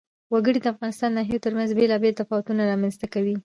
وګړي د افغانستان د ناحیو ترمنځ بېلابېل تفاوتونه رامنځ ته کوي.